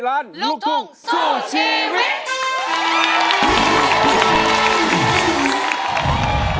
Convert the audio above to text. รายการที่เปิดโอกาสให้กับนักสู้ชีวิตไม่ว่าจะเป็นใครนะครับ